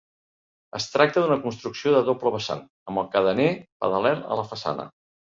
Es tracta d'una construcció de doble vessant, amb el carener paral·lel a la façana.